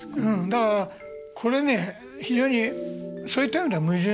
だからこれね非常にそういった意味では矛盾してるんですよ。